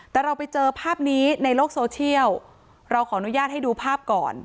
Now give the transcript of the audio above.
แต่เราไปเจอภาพนี้ในโลกโซเชียลเราขออนุญาตให้ดูภาพก่อน